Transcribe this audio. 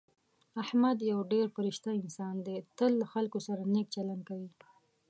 احمد یو ډېر فرشته انسان دی. تل له خلکو سره نېک چلند کوي.